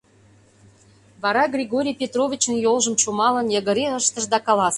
Вара, Григорий Петровичын йолжым чумалын, йыгыре ыштыш да каласыш: